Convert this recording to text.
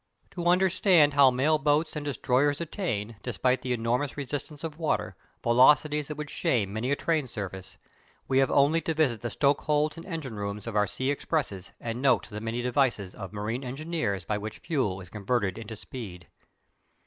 To understand how mail boats and "destroyers" attain, despite the enormous resistance of water, velocities that would shame many a train service, we have only to visit the stokeholds and engine rooms of our sea expresses and note the many devices of marine engineers by which fuel is converted into speed.